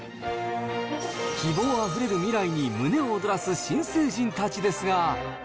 希望あふれる未来に、胸を躍らす新成人たちですが。